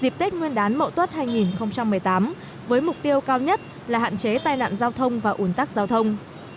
dịp tết nguyên đán mậu tuất hai nghìn một mươi tám với mục tiêu cao nhất là hạn chế tai nạn giao thông và ủn tắc giao thông